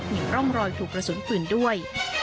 มีร่องรอยถูกกระสุนปืนด้วย